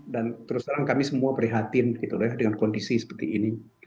dan terus terang kami semua prihatin dengan kondisi seperti ini